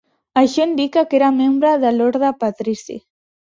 Això indica que era membre de l'ordre patrici.